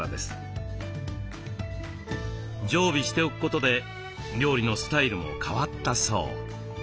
常備しておくことで料理のスタイルも変わったそう。